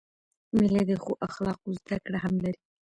مېلې د ښو اخلاقو زدهکړه هم لري.